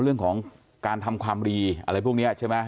เรื่องของการทำความดีอะไรพวกนี้ใช่ไหม